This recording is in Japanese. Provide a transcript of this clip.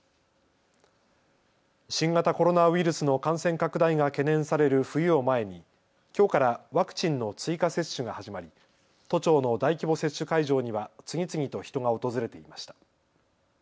新型コロナウイルスの感染拡大が懸念される冬を前にきょうからワクチンの追加接種が始まり都庁の大規模接種会場には次々と人が訪れていました。